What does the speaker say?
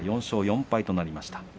４勝４敗となりました。